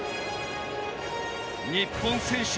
日本選手